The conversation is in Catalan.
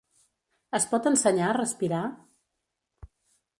Es pot ensenyar a respirar?